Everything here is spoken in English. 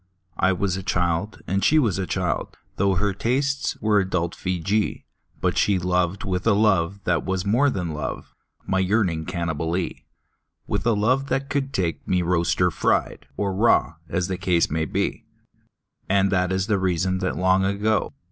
I was a child, and she was a child — Tho' her tastes were adult Feejee — But she loved with a love that was more than love, My yearning Cannibalee; With a love that could take me roast or fried Or raw, as the case might be. And that is the reason that long ago.